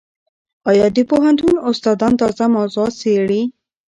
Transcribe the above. ایا د پوهنتون استادان تازه موضوعات څېړي؟